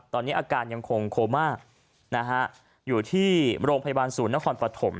ตอนนี้อาการยังคงโคม่านะฮะอยู่ที่โรงพยาบาลศูนย์นครปฐม